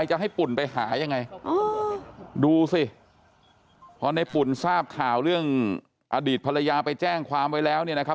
จะให้ปุ่นไปหายังไงดูสิพอในปุ่นทราบข่าวเรื่องอดีตภรรยาไปแจ้งความไว้แล้วเนี่ยนะครับ